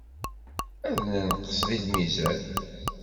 Ad nenqes deg lmizan.